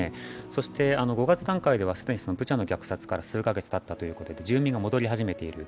そして５月段階では既にブチャの虐殺から数か月たったということで住民が戻り始めている。